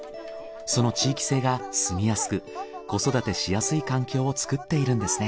その地域性が住みやすく子育てしやすい環境を作っているんですね。